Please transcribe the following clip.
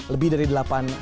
lebih dari delapan triliun